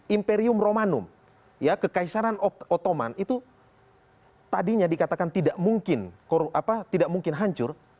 imperium romanum ya kekaisaran ottoman itu tadinya dikatakan tidak mungkin hancur